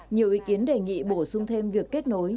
nhiều ý kiến đề nghị bổ sung thêm việc kết nối